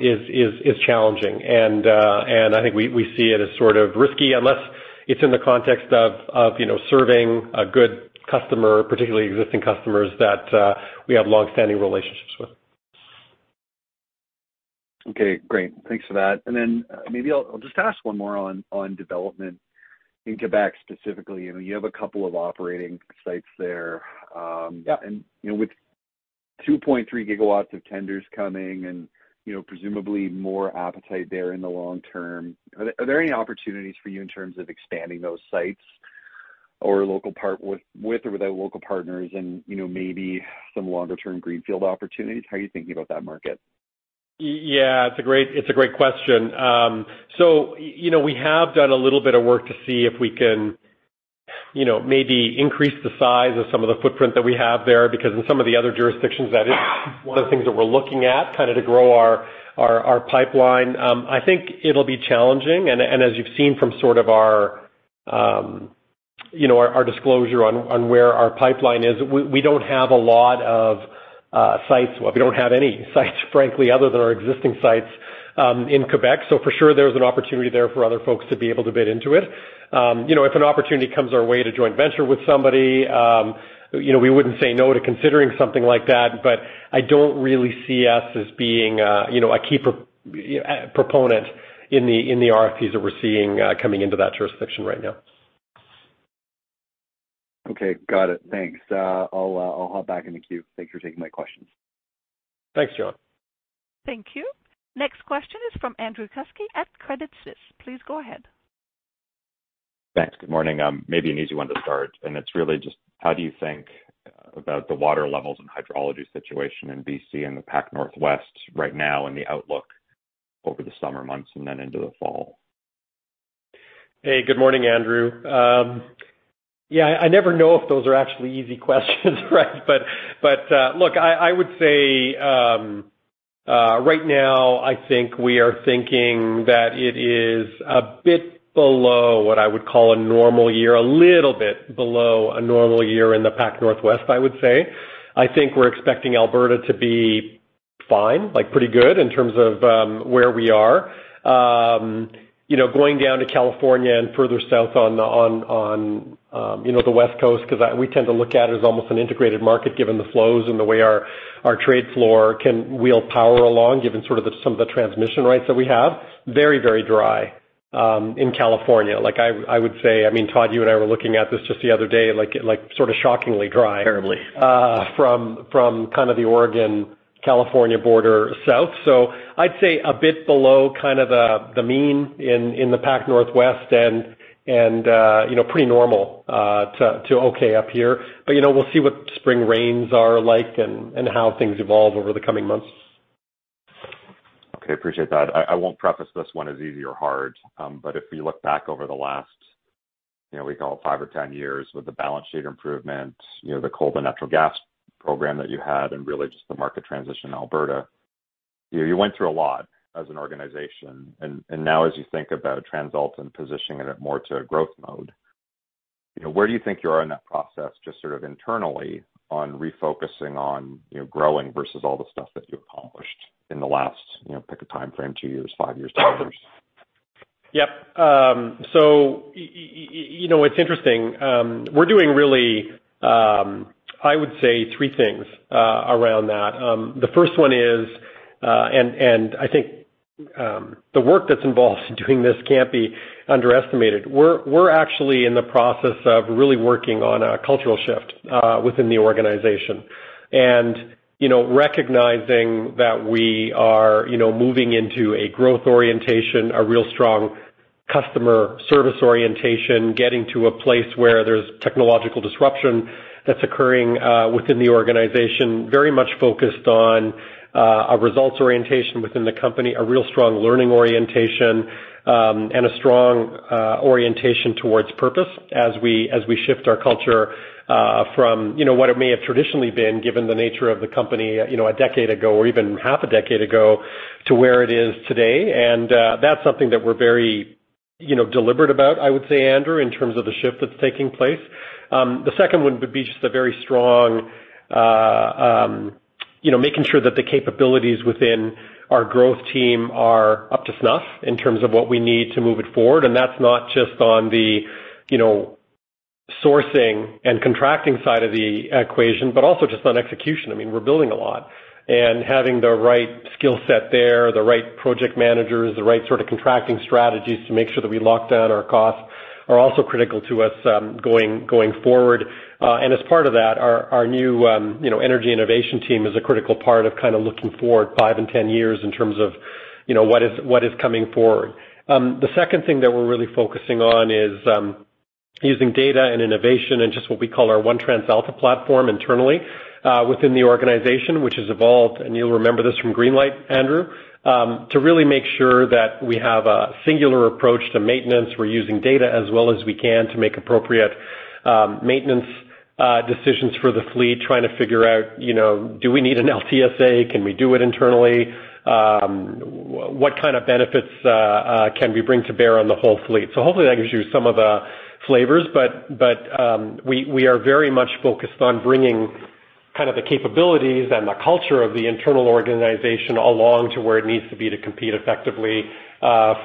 is challenging. I think we see it as sort of risky unless it's in the context of you know, serving a good customer, particularly existing customers that we have long-standing relationships with. Okay, great. Thanks for that. Maybe I'll just ask one more on development in Quebec specifically. You know, you have a couple of operating sites there. Yeah. You know, with 2.3 gigawatts of tenders coming and, you know, presumably more appetite there in the long term, are there any opportunities for you in terms of expanding those sites or local partnerships with or without local partners and, you know, maybe some longer term greenfield opportunities? How are you thinking about that market? Yeah, it's a great question. So, you know, we have done a little bit of work to see if we can, you know, maybe increase the size of some of the footprint that we have there, because in some of the other jurisdictions, that is one of the things that we're looking at kind of to grow our pipeline. I think it'll be challenging. As you've seen from sort of our disclosure on where our pipeline is, we don't have a lot of sites. Well, we don't have any sites, frankly, other than our existing sites in Quebec. For sure there's an opportunity there for other folks to be able to bid into it. You know, if an opportunity comes our way to joint venture with somebody, you know, we wouldn't say no to considering something like that, but I don't really see us as being, you know, a key proponent in the RFPs that we're seeing coming into that jurisdiction right now. Okay. Got it. Thanks. I'll hop back in the queue. Thank you for taking my questions. Thanks, John. Thank you. Next question is from Andrew Kuske at Credit Suisse. Please go ahead. Thanks. Good morning. Maybe an easy one to start, and it's really just how do you think about the water levels and hydrology situation in BC and the Pac Northwest right now and the outlook over the summer months and then into the fall? Hey, good morning, Andrew. Yeah, I never know if those are actually easy questions, right? Look, right now, I think we are thinking that it is a bit below what I would call a normal year, a little bit below a normal year in the Pac. Northwest, I would say. I think we're expecting Alberta to be fine, like pretty good in terms of where we are. You know, going down to California and further south on the West Coast because we tend to look at it as almost an integrated market given the flows and the way our trade floor can wheel power along given sort of some of the transmission rights that we have. Very, very dry. In California, like I would say, I mean, Todd, you and I were looking at this just the other day, like sort of shockingly dry. Terribly... from kind of the Oregon-California border south. I'd say a bit below kind of the mean in the Pacific Northwest and you know, pretty normal to okay up here. You know, we'll see what spring rains are like and how things evolve over the coming months. Okay, appreciate that. I won't preface this one as easy or hard. If you look back over the last, you know, we call it five or 10 years with the balance sheet improvement, you know, the coal and natural gas program that you had and really just the market transition in Alberta. You went through a lot as an organization. Now as you think about TransAlta and positioning it more to a growth mode, you know, where do you think you are in that process, just sort of internally on refocusing on, you know, growing versus all the stuff that you accomplished in the last, you know, pick a timeframe, two years, five years, 10 years? Yep. You know, it's interesting. We're doing really, I would say three things around that. The first one is, and I think, the work that's involved in doing this can't be underestimated. We're actually in the process of really working on a cultural shift within the organization. You know, recognizing that we are, you know, moving into a growth orientation, a real strong customer service orientation, getting to a place where there's technological disruption that's occurring within the organization, very much focused on a results orientation within the company, a real strong learning orientation, and a strong orientation towards purpose as we shift our culture from you know, what it may have traditionally been given the nature of the company, you know, a decade ago or even half a decade ago to where it is today. That's something that we're very, you know, deliberate about, I would say, Andrew, in terms of the shift that's taking place. The second one would be just a very strong, you know, making sure that the capabilities within our growth team are up to snuff in terms of what we need to move it forward. That's not just on the, you know, sourcing and contracting side of the equation, but also just on execution. I mean, we're building a lot. Having the right skill set there, the right project managers, the right sort of contracting strategies to make sure that we lock down our costs are also critical to us, going forward. As part of that, our new, you know, energy innovation team is a critical part of looking forward five and 10 years in terms of, you know, what is coming forward. The second thing that we're really focusing on is using data and innovation and just what we call our One TransAlta platform internally within the organization, which has evolved, and you'll remember this from Greenlight, Andrew, to really make sure that we have a singular approach to maintenance. We're using data as well as we can to make appropriate maintenance decisions for the fleet, trying to figure out, you know, do we need an LTSA? Can we do it internally? What kind of benefits can we bring to bear on the whole fleet? Hopefully that gives you some of the flavors, but we are very much focused on bringing kind of the capabilities and the culture of the internal organization along to where it needs to be to compete effectively,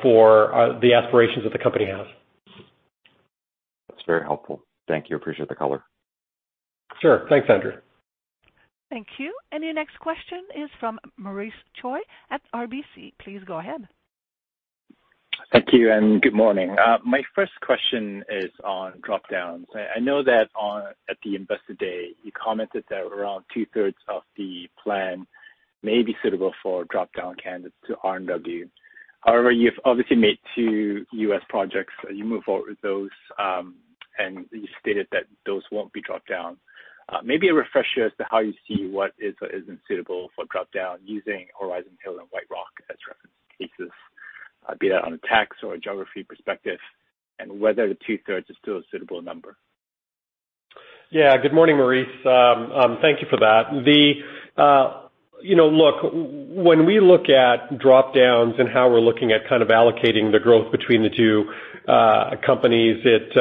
for the aspirations that the company has. That's very helpful. Thank you. Appreciate the color. Sure. Thanks, Andrew. Thank you. Your next question is from Maurice Choy at RBC. Please go ahead. Thank you, and good morning. My first question is on drop-downs. I know that at the Investor Day, you commented that around two-thirds of the plan may be suitable for drop-down candidates to RNW. However, you've obviously made two U.S. projects you move forward with those, and you stated that those won't be dropped down. Maybe a refresher as to how you see what is or isn't suitable for drop-down using Horizon Hill and White Rock as reference cases, be it on a tax or a geography perspective and whether the two-thirds is still a suitable number? Yeah. Good morning, Maurice. Thank you for that. When we look at drop-downs and how we're looking at kind of allocating the growth between the two companies, it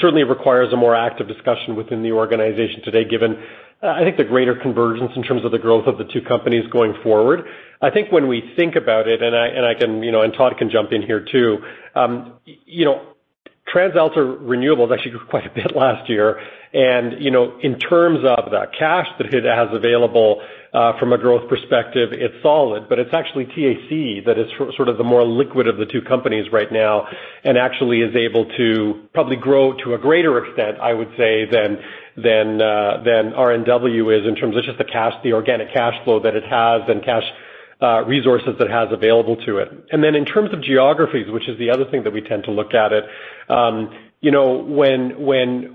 certainly requires a more active discussion within the organization today, given I think the greater convergence in terms of the growth of the two companies going forward. I think when we think about it, and Todd can jump in here too. You know, TransAlta Renewables actually grew quite a bit last year. You know, in terms of the cash that it has available, from a growth perspective, it's solid, but it's actually TAC that is sort of the more liquid of the two companies right now and actually is able to probably grow to a greater extent, I would say, than RNW is in terms of just the cash, the organic cash flow that it has and cash resources it has available to it. Then in terms of geographies, which is the other thing that we tend to look at it, you know, when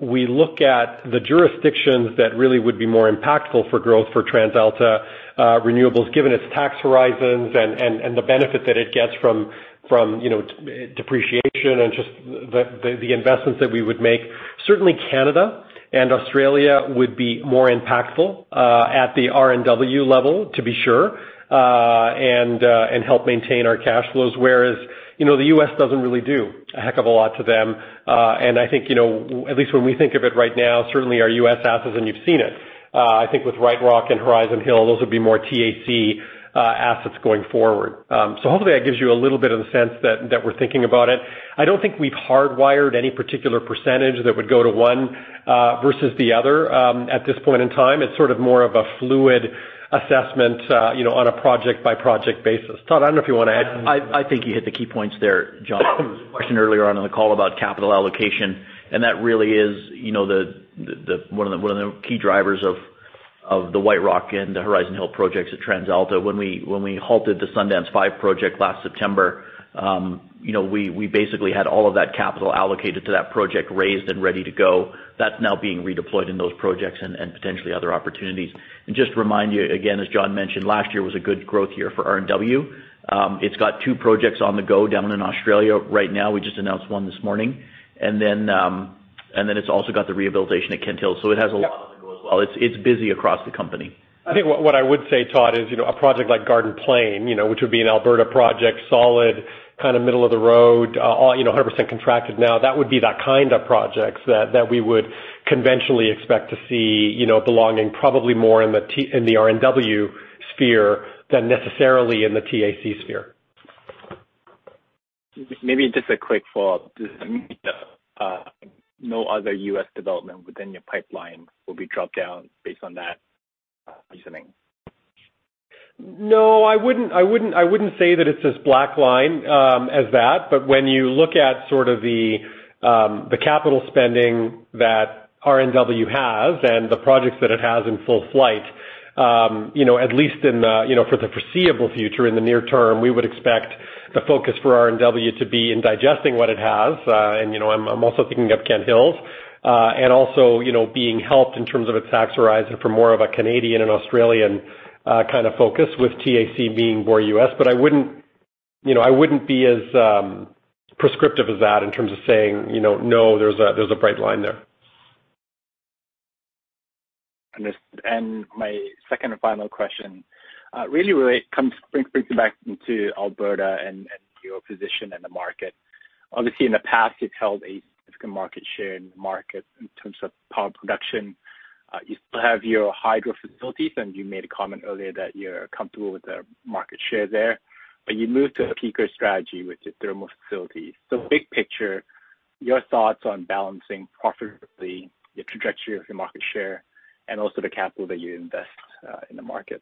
we look at the jurisdictions that really would be more impactful for growth for TransAlta Renewables, given its tax horizons and the benefit that it gets from, you know, depreciation and just the investments that we would make. Certainly Canada and Australia would be more impactful at the RNW level, to be sure, and help maintain our cash flows, whereas, you know, the U.S. doesn't really do a heck of a lot to them. I think, you know, at least when we think of it right now, certainly our U.S. assets, and you've seen it. I think with White Rock and Horizon Hill, those would be more TAC assets going forward. So hopefully that gives you a little bit of the sense that we're thinking about it. I don't think we've hardwired any particular percentage that would go to one versus the other. At this point in time, it's sort of more of a fluid assessment, you know, on a project-by-project basis. Todd, I don't know if you wanna add. I think you hit the key points there, John. There was a question earlier on in the call about capital allocation, and that really is, you know, one of the key drivers of the White Rock and the Horizon Hill projects at TransAlta. When we halted the Sundance Five project last September, you know, we basically had all of that capital allocated to that project raised and ready to go. That's now being redeployed in those projects and potentially other opportunities. Just to remind you, again, as John mentioned, last year was a good growth year for RNW. It's got two projects on the go down in Australia right now. We just announced one this morning. It's also got the rehabilitation at Kent Hills. It has a lot on the go as well. It's busy across the company. I think what I would say, Todd, is, you know, a project like Garden Plain, you know, which would be an Alberta project, solid, kind of middle of the road, you know, 100% contracted now. That would be that kind of projects that we would conventionally expect to see, you know, belonging probably more in the RNW sphere than necessarily in the TAC sphere. Maybe just a quick follow-up. Does that mean that, no other U.S. development within your pipeline will be dropped down based on that, reasoning? No, I wouldn't say that it's as bright line as that. When you look at sort of the capital spending that RNW has and the projects that it has in full flight, you know, at least in the for the foreseeable future, in the near term, we would expect the focus for RNW to be in digesting what it has. You know, I'm also thinking of Kent Hills and also, you know, being helped in terms of its tax horizon for more of a Canadian and Australian kind of focus, with TAC being more U.S. I wouldn't, you know, I wouldn't be as prescriptive as that in terms of saying, you know, "No, there's a bright line there. Understood. My second and final question really brings me back into Alberta and your position in the market. Obviously, in the past, you've held a significant market share in the market in terms of power production. You still have your hydro facilities, and you made a comment earlier that you're comfortable with the market share there. You moved to a peaker strategy with your thermal facilities. Big picture, your thoughts on balancing profitably the trajectory of your market share and also the capital that you invest in the market.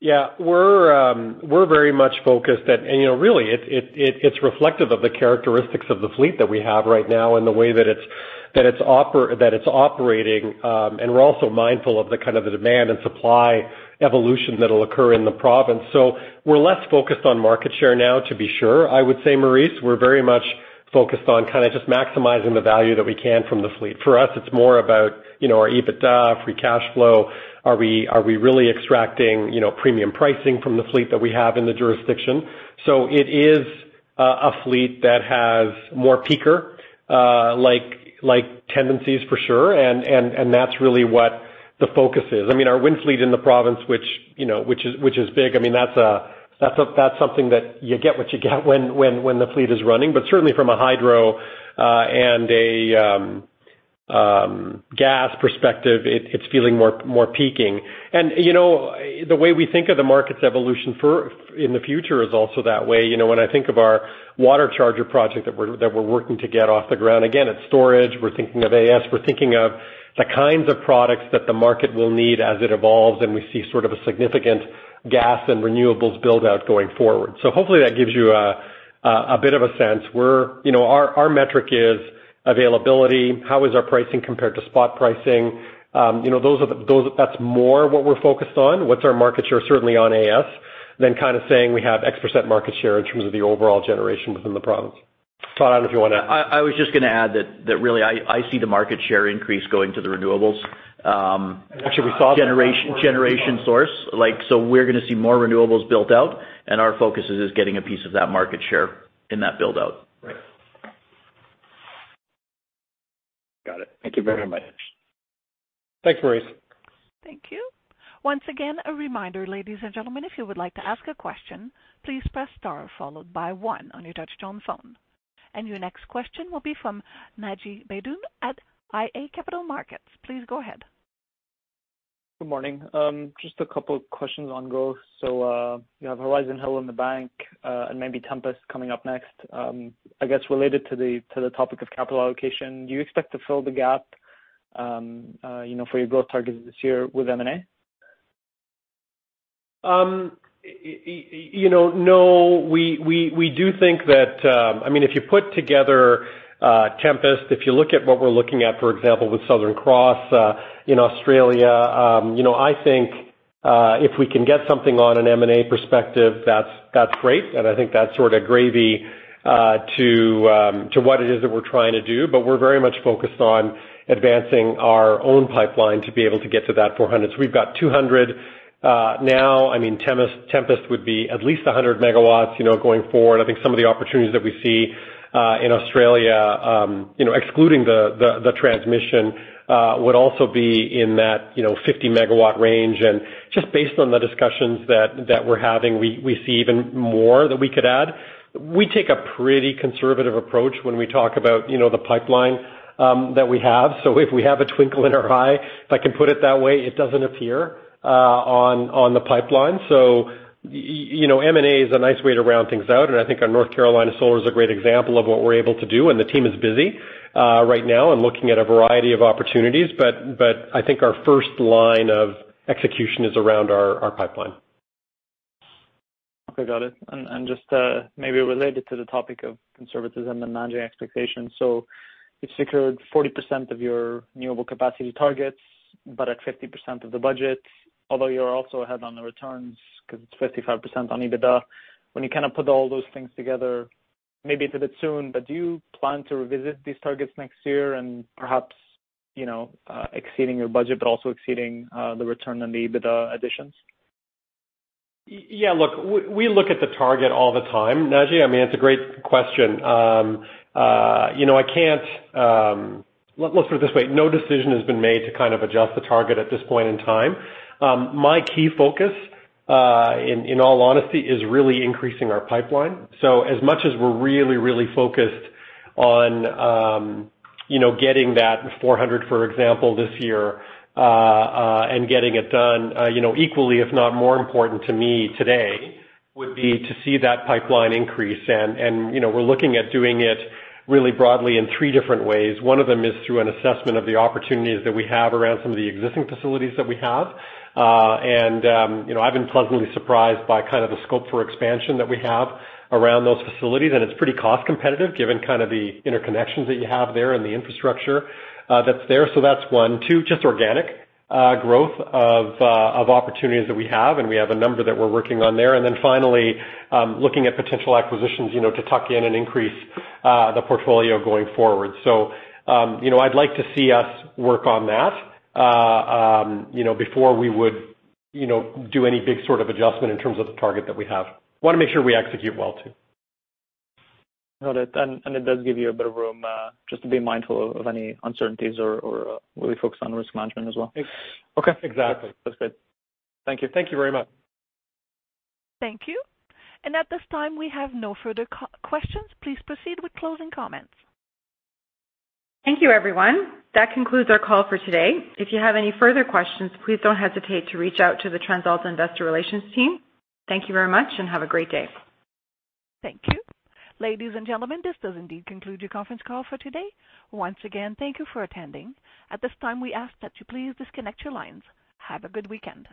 Yeah. We're very much focused, and you know, really, it's reflective of the characteristics of the fleet that we have right now and the way that it's operating. We're also mindful of the kind of the demand and supply evolution that'll occur in the province. We're less focused on market share now, to be sure. I would say, Maurice, we're very much focused on kind of just maximizing the value that we can from the fleet. For us, it's more about, you know, our EBITDA, free cash flow. Are we really extracting, you know, premium pricing from the fleet that we have in the jurisdiction? It is a fleet that has more peaker like tendencies for sure, and that's really what the focus is. I mean, our wind fleet in the province, which you know is big. I mean, that's something that you get what you get when the fleet is running. Certainly from a hydro and a gas perspective, it's feeling more peaking. You know, the way we think of the market's evolution in the future is also that way. You know, when I think of our WaterCharger project that we're working to get off the ground, again, it's storage. We're thinking of AS. We're thinking of the kinds of products that the market will need as it evolves, and we see sort of a significant gas and renewables build-out going forward. Hopefully that gives you a bit of a sense. You know, our metric is availability. How is our pricing compared to spot pricing? You know, those are what we're focused on, what's our market share certainly on AS, than kind of saying we have X% market share in terms of the overall generation within the province. Todd, I don't know if you wanna I was just gonna add that really I see the market share increase going to the renewables. Actually, we saw. Generation source. Like, we're gonna see more renewables built out, and our focus is just getting a piece of that market share in that build-out. Right. Got it. Thank you very much. Thanks, Maurice. Thank you. Once again, a reminder, ladies and gentlemen, if you would like to ask a question, please press star followed by one on your touchtone phone. Your next question will be from Naji Baydoun at iA Capital Markets. Please go ahead. Good morning. Just a couple questions on growth. You have Horizon Hill in the bank, and maybe Tempest coming up next. I guess related to the topic of capital allocation, do you expect to fill the gap, you know, for your growth targets this year with M&A? You know, no, we do think that, I mean, if you put together, Tempest, if you look at what we're looking at, for example, with Southern Cross, in Australia, you know, I think, if we can get something on an M&A perspective, that's great, and I think that's sort of gravy, to what it is that we're trying to do. We're very much focused on advancing our own pipeline to be able to get to that 400. We've got 200. Now, I mean, Tempest would be at least 100 megawatts, you know, going forward. I think some of the opportunities that we see, in Australia, you know, excluding the transmission, would also be in that 50-megawatt range. Just based on the discussions that we're having, we see even more that we could add. We take a pretty conservative approach when we talk about, you know, the pipeline that we have. If we have a twinkle in our eye, if I can put it that way, it doesn't appear on the pipeline. You know, M&A is a nice way to round things out, and I think our North Carolina Solar is a great example of what we're able to do. The team is busy right now and looking at a variety of opportunities. I think our first line of execution is around our pipeline. Okay, got it. Just maybe related to the topic of conservatism and managing expectations. You've secured 40% of your renewable capacity targets but at 50% of the budget, although you're also ahead on the returns 'cause it's 55% on EBITDA. When you kinda put all those things together, maybe it's a bit soon, but do you plan to revisit these targets next year and perhaps, you know, exceeding your budget, but also exceeding the return on the EBITDA additions? Yeah. Look, we look at the target all the time, Naji. I mean, it's a great question. You know, I can't. Let's put it this way, no decision has been made to kind of adjust the target at this point in time. My key focus, in all honesty, is really increasing our pipeline. As much as we're really focused on, you know, getting that 400, for example, this year, and getting it done, you know, equally, if not more important to me today, would be to see that pipeline increase. You know, we're looking at doing it really broadly in three different ways. One of them is through an assessment of the opportunities that we have around some of the existing facilities that we have. You know, I've been pleasantly surprised by kind of the scope for expansion that we have around those facilities, and it's pretty cost competitive given kind of the interconnections that you have there and the infrastructure that's there. So that's 1. 2, just organic growth of opportunities that we have, and we have a number that we're working on there. Then finally, looking at potential acquisitions, you know, to tuck in and increase the portfolio going forward. So, you know, I'd like to see us work on that, you know, before we would, you know, do any big sort of adjustment in terms of the target that we have. Wanna make sure we execute well, too. Got it. It does give you a bit of room, just to be mindful of any uncertainties or really focus on risk management as well. Ex- Okay. Exactly. That's good. Thank you. Thank you very much. Thank you. At this time, we have no further questions. Please proceed with closing comments. Thank you, everyone. That concludes our call for today. If you have any further questions, please don't hesitate to reach out to the TransAlta Investor Relations team. Thank you very much, and have a great day. Thank you. Ladies and gentlemen, this does indeed conclude your conference call for today. Once again, thank you for attending. At this time, we ask that you please disconnect your lines. Have a good weekend.